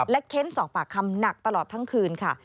เค้นสอบปากคำหนักตลอดทั้งคืนค่ะ